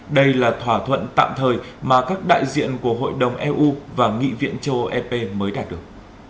đây là thỏa thuận tạm thời mà các đại diện của hội đồng eu và nghị viện châu âu ep mới đạt được